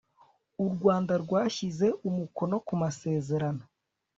u rwanda rwashyize umukono ku masezerano